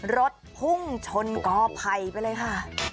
รถพุ่งชนกอไผ่ไปเลยค่ะ